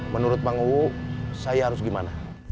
menurut mangu saya harus gimana